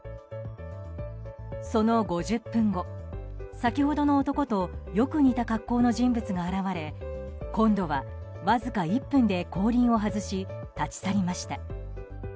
その５０分後、先ほどの男とよく似た格好の人物が現れ今度はわずか１分で後輪を外し、立ち去りました。